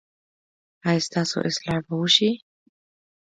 ایا ستاسو اصلاح به وشي؟